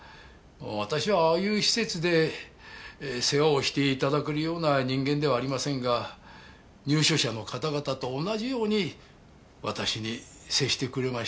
私はああいう施設で世話をして頂けるような人間ではありませんが入所者の方々と同じように私に接してくれましたよ。